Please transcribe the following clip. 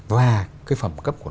và cái phẩm cấp của nó